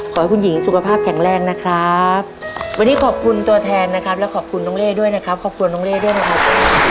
ขอให้คุณหญิงสุขภาพแข็งแรงนะครับวันนี้ขอบคุณตัวแทนนะครับและขอบคุณน้องเล่ด้วยนะครับขอบคุณน้องเล่ด้วยนะครับ